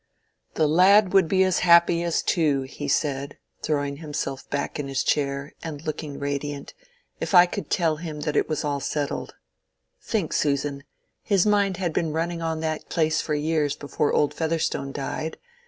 "The lad would be as happy as two," he said, throwing himself back in his chair, and looking radiant, "if I could tell him it was all settled. Think; Susan! His mind had been running on that place for years before old Featherstone died.